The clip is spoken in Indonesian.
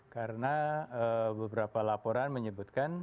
karena beberapa laporan menyebutkan